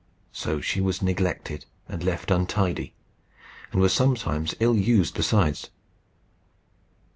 So she was neglected and left untidy, and was sometimes ill used besides.